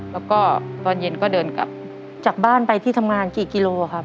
แล้วก็ตอนเย็นก็เดินกลับจากบ้านไปที่ทำงานกี่กิโลครับ